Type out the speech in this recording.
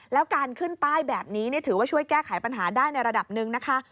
แล้วการขึ้นป้ายแบบนี้ถือว่าช่วยแก้ไขปัญหาได้ในระดับหนึ่งนะคะ